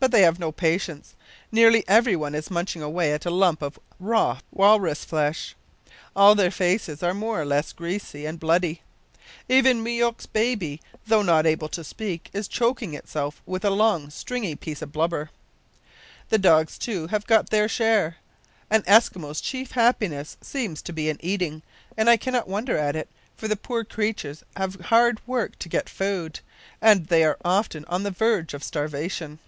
But they have no patience. Nearly everyone is munching away at a lump of raw walrus flesh. All their faces are more or less greasy and bloody. Even Myouk's baby though not able to speak is choking itself with a long, stringy piece of blubber. The dogs, too, have got their share. An Eskimo's chief happiness seems to be in eating, and I cannot wonder at it, for the poor creatures have hard work to get food, and they are often on the verge of starvation.